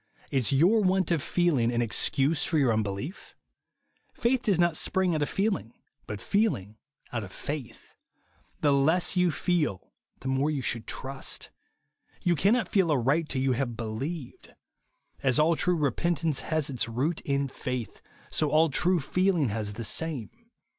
Is your want of feeling an excuse for your unbelief^ Faith does not spring out of feeling, but feeling out of faith. The less you feel the more you should trust. You cannot feel aright till you have be lieved. As all true repentance has its root in faith, so all true feeling has the same.